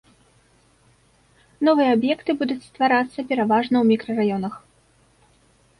Новыя аб'екты будуць стварацца пераважна ў мікрараёнах.